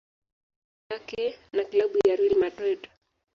Alianza kazi yake na klabu ya Real Madrid.